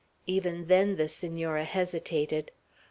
Even then the Senora hesitated.